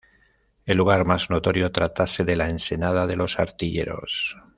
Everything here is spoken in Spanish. El lugar mas notorio tratase de la Ensenada de los Artilleros.